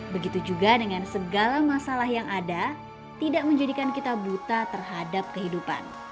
begitu juga dengan segala masalah yang ada tidak menjadikan kita buta terhadap kehidupan